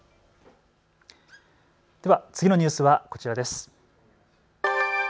では次のニュースはこちらです。